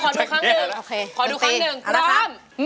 พร้อม